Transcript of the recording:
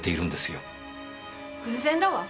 偶然だわ。